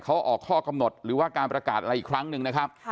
เขาออกข้อกำหนดหรือว่าการประกาศอะไรอีกครั้งหนึ่งนะครับ